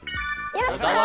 やった！